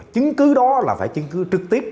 chứng cứ đó là phải chứng cứ trực tiếp